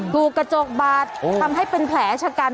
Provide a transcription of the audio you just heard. ถูกกระจกบาดทำให้เป็นแผลชะกัน